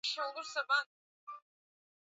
Tofauti na wanyama wengi katika orodha hii